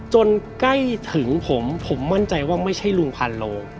ใกล้ถึงผมผมมั่นใจว่าไม่ใช่ลุงพันโล